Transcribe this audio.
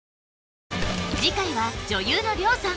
次回は女優のりょうさん